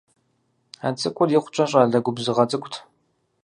А цӏыкӏур икъукӀэ щӀалэ губзыгъэ цӀыкӀут.